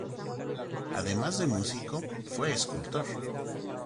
Además de músico fue escultor.